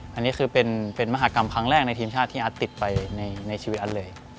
อันนี้คือเป็นมหากรรมครั้งแรกในทีมชาติที่อัดติดไปในชีวิตอัสเลย